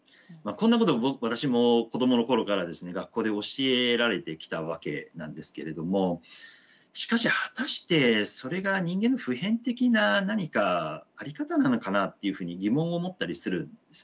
こんなことを私も子どもの頃から学校で教えられてきたわけなんですけれどもしかし果たしてそれが人間の普遍的な何か在り方なのかなっていうふうに疑問を持ったりするんですね。